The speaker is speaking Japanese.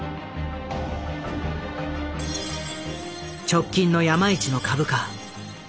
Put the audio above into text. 直近の山一の株価。